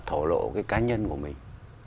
thổ lộ cái cá nhân của mình